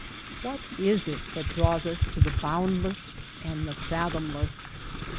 What is it that draws us to the boundless and the fathomless ?